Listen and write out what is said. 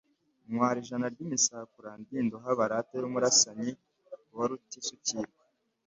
ntwara ijana ry' imisakura ndi Indoha barata y'umurasanyi wa Rutisukirwa,